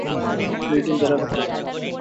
দুই দিন জেরা করতে পারেন।